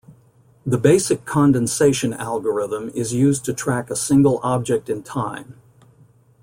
The basic Condensation algorithm is used to track a single object in time.